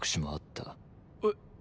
えっ？